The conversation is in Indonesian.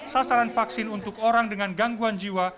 sasaran vaksin untuk orang dengan gangguan jiwa